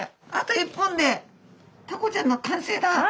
あと１本でタコちゃんの完成だ！